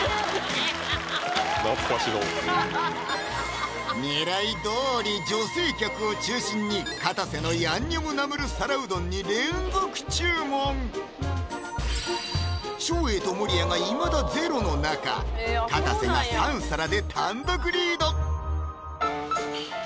懐かしの狙いどおり女性客を中心にかたせのヤンニョムナムル皿うどんに連続注文照英と守屋がいまだゼロの中かたせが３皿で単独リード！